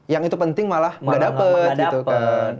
yang itu penting malah nggak dapat gitu kan